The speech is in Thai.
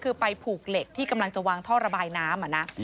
คือไปผูกเหล็กที่กำลังจะวางท่อระบายน้ำ